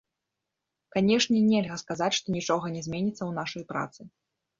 Канешне, нельга сказаць, што нічога не зменіцца ў нашай працы.